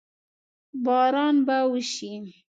باران به وشي؟